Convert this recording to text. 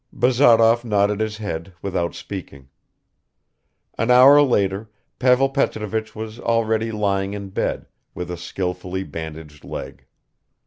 Bazarov nodded his head without speaking. An hour later Pavel Petrovich was already lying in bed with a skillfully bandaged leg.